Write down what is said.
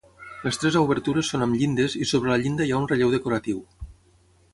Les tres obertures són amb llindes i sobre la llinda hi ha un relleu decoratiu.